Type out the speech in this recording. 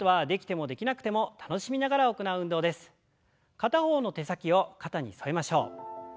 片方の手先を肩に添えましょう。